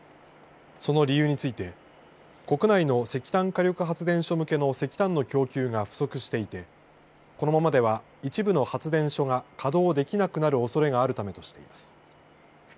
その理由について国内の石炭火力発電所向けの石炭の供給が不足していてこのままでは一部の発電所が稼働できなくなるおそれがあるためとしています。